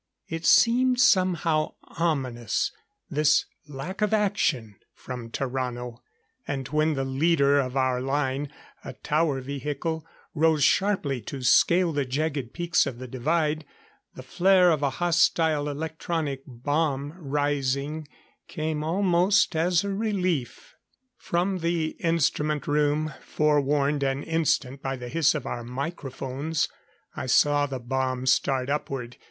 It seemed somehow ominous, this lack of action from Tarrano; and when the leader of our line a tower vehicle rose sharply to scale the jagged peaks of the Divide, the flare of a hostile electronic bomb rising came almost as a relief. From the instrument room forewarned an instant by the hiss of our microphones I saw the bomb start upward.